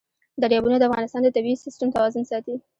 دریابونه د افغانستان د طبعي سیسټم توازن ساتي.